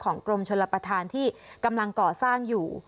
กรมชลประธานที่กำลังก่อสร้างอยู่